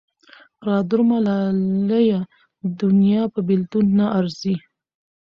را درومه لالیه دونيا په بېلتون نه ارځي